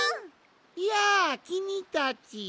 やあきみたち。